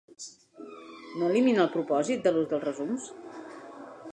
No elimina el propòsit de l'ús de resums?